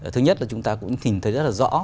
thứ nhất là chúng ta cũng nhìn thấy rất là rõ